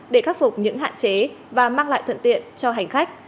để khắc phục những hạn chế và mang lại thuận tiện cho hành khách